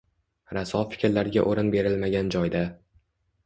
Raso fikrlarga o‘rin berilmagan joyda